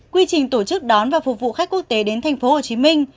quy trình tổ chức đón và phục vụ khách quốc tế đến tp hcm